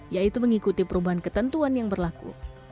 yaitu mengikuti perubahan ketentuan yang berlaku